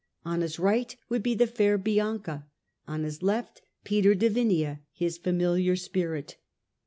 On his right would be the fair Bianca, on his left Peter de Vinea, his familiar spirit.